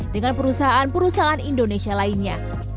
dengan perusahaan perusahaan indonesia lainnya